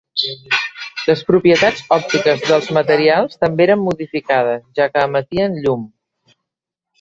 Les propietats òptiques dels materials també eren modificades, ja que emetien llum.